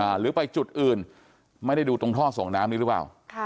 หรือไปจุดอื่นไม่ได้ดูตรงท่อส่งน้ำนี้หรือเปล่าค่ะ